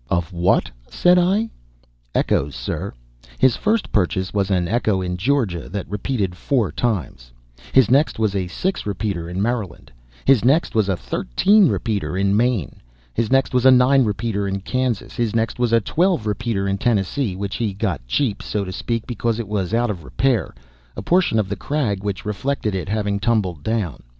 �Of what?� said I. Echoes, sir. His first purchase was an echo in Georgia that repeated four times; his next was a six repeater in Maryland; his next was a thirteen repeater in Maine; his next was a nine repeater in Kansas; his next was a twelve repeater in Tennessee, which he got cheap, so to speak, because it was out of repair, a portion of the crag which reflected it having tumbled down.